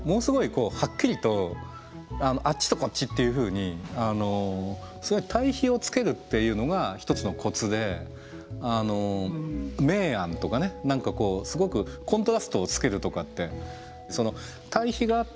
こうはっきりとあっちとこっちっていうふうに対比をつけるっていうのが一つのコツで明暗とかねすごくコントラストをつけるとかってその対比があってなおかつ